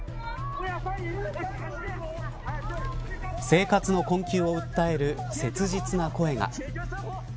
生活の困窮を訴える切実な声が。